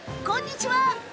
こんにちは！